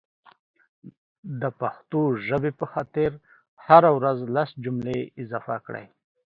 دا پښتو ژبې په خاطر هره ورځ لس جملي اضافه کړئ